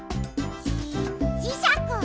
じじしゃく！